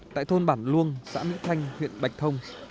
tại thôn bản luông xã mỹ thanh huyện bạch thông